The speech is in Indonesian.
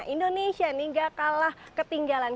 indonesia tidak kalah ketinggalan